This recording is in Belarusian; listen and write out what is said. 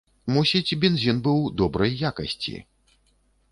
Мусіць, бензін быў добрай якасці.